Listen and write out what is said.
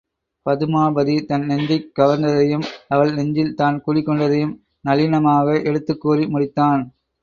பதுமாபதி தன் நெஞ்சைக் கவர்ந்ததையும், அவள் நெஞ்சில் தான் குடி கொண்டதையும் நளினமாக எடுத்துக் கூறி முடித்தான்.